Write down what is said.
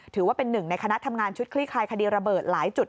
ถือว่าเป็นหนึ่งในคณะทำงานชุดคลี่คลายคดีระเบิดหลายจุด